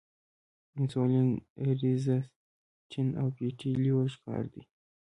انسولین ريزسټنس او فېټي لیور ښکار دي -